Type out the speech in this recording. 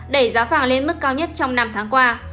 đẩy giá vàng lên mức cao nhất trong năm tháng qua